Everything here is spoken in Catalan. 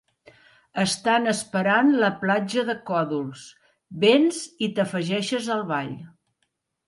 Estan esperant la platja de còdols; vens i t'afegeixes al ball?